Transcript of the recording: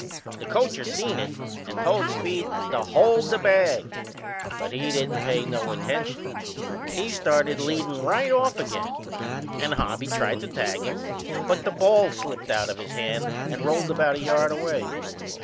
The coacher seen it and told Speed to hold the bag; but he didn't pay no attention. He started leadin' right off again and Hobby tried to tag him, but the ball slipped out of his hand and rolled about a yard away.